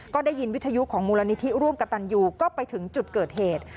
ก็ได้ยินวิทยุของมูลนิธิร่วมกับตันยูก็ไปถึงจุดเกิดเหตุ